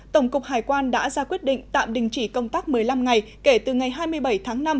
tổng cục hải quan đã ra quyết định tạm đình chỉ công tác một mươi năm ngày kể từ ngày hai mươi bảy tháng năm